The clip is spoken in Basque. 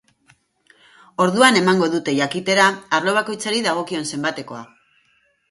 Orduan emango dute jakitera arlo bakoitzari dagokion zenbatekoa.